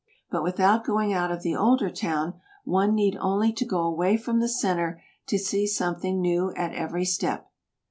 But without going out of the older town, one need only to go away from the center to see something new at every step.